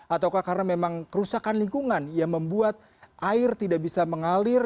atau karena memang kerusakan lingkungan yang membuat air tidak bisa mengalir